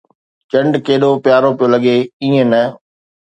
چنڊ ڪيڏو پيارو پيو لڳي، ايئن نہ؟